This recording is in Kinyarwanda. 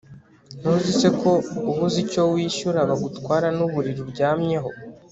ntuzi se ko ubuze icyo wishyura, bagutwara n'uburiri uryamyeho